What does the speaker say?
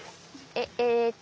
ええっと。